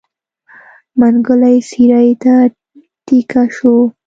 منګلی څېړۍ ته تکيه شو.